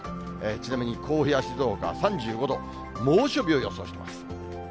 ちなみに、甲府や静岡３５度、猛暑日を予想しています。